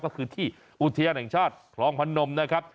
ก็คือที่อุทยานแห่งชาติคลองพนมนะครับ